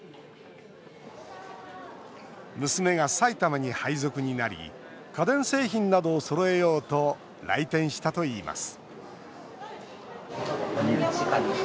娘が埼玉に配属になり家電製品などをそろえようと来店したといいます